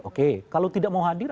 oke kalau tidak mau hadir